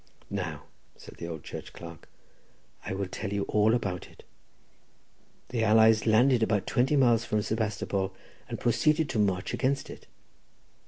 "Now," said the old church clerk, "I will tell you all about it. The allies landed about twenty miles from Sebastopol, and proceeded to march against it.